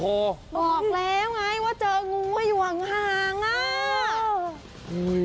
บอกแล้วไงว่าเจองูอยู่ห่างน่ะ